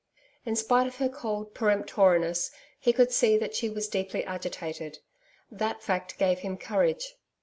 In spite of her cold peremptoriness he could see that she was deeply agitated. That fact gave him courage.